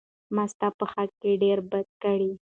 ما ستا په حق کې ډېره بدي کړى.